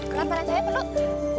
kau ngapain aja mbak lu